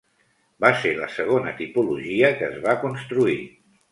Va ser la segona tipologia que es va construir.